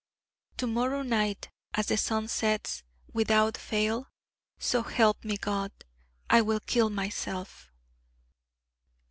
To morrow night as the sun sets without fail so help me God I will kill myself.'